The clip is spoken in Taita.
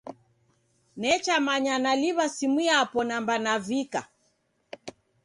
Nechamanya naliw'a simu yapo namba navika